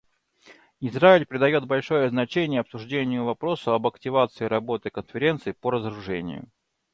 Израиль придает большое значение обсуждению вопроса об активизации работы Конференции по разоружению.